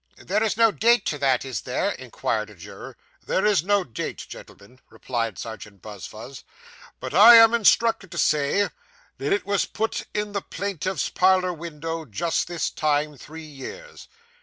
'There is no date to that, is there?' inquired a juror. 'There is no date, gentlemen,' replied Serjeant Buzfuz; 'but I am instructed to say that it was put in the plaintiff's parlour window just this time three years.